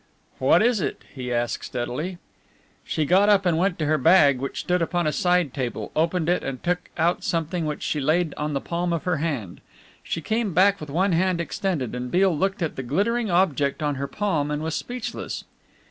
"What is it?" he asked steadily. She got up and went to her bag which stood upon a side table, opened it and took out something which she laid on the palm of her hand. She came back with hand extended, and Beale looked at the glittering object on her palm and was speechless.